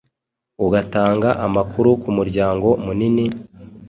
ugatanga amakuru kumuryango munini,